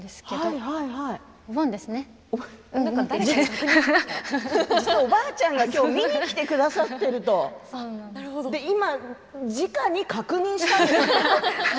実は、おばあちゃんが見に来てくださっていると。今じかに確認したと。